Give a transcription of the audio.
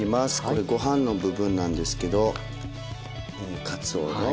これご飯の部分なんですけどかつおの。